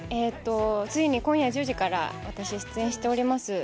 ついに今夜１０時から、私、出演しております